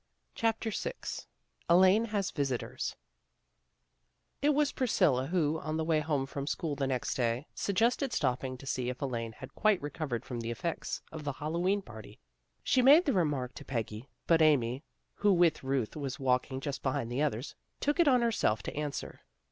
CHAPTER VI ELAINE HAS VISITORS IT was Priscilla who, on the way home from school the next day, suggested stopping to see if Elaine had quite recovered from the effects of the Hallowe'en party. She made the remark to Peggy, but Amy, who with Ruth was walk ing just behind the others, took it on herself to answer.